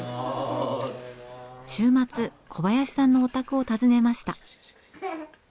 週末小林さんのお宅を訪ねました。